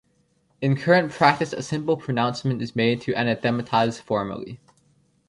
In current practice a simple pronouncement is made to anathematize formally.